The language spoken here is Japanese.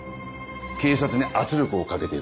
警察に圧力をかけているんだ。